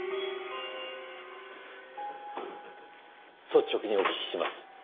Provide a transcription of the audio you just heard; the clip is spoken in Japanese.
率直にお聞きします。